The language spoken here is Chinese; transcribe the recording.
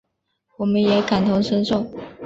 我们也感同身受